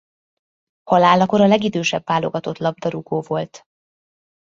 Halálakor a legidősebb válogatott labdarúgó volt.